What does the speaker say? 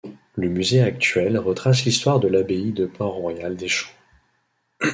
Le musée actuel retrace l'histoire de l'abbaye de Port-Royal des Champs.